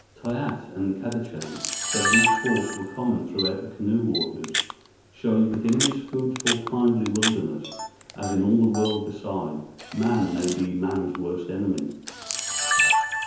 Toyatte and Kadachan said these forts were common throughout the canoe waters, showing that in this foodful, kindly wilderness, as in all the world beside, man may be man's worst enemy.